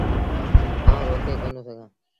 آئوٚݩ روڪي ڪوندو سگھآݩ۔